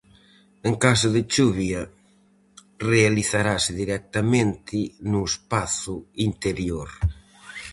En caso de chuvia, realizarase directamente no espazo interior.